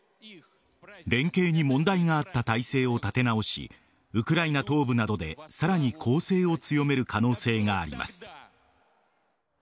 連携に問題があった態勢を立て直しウクライナ東部などでさらに攻勢を強める可能性があります。